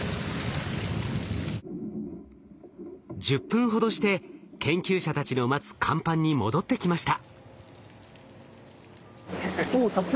１０分ほどして研究者たちの待つ甲板に戻ってきました。